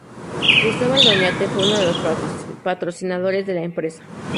Cristóbal de Oñate, fue uno de los patrocinadores de la empresa.